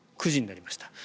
９時になりました。